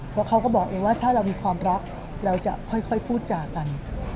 เพราะเขาก็บอกเองว่าถ้าเรามีความรักเราจะค่อยพูดจากัน